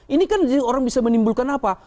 ini kan orang bisa menimbulkan apa